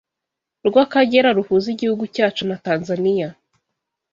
rw’Akagera ruhuza igihugu cyacu na Tanzaniya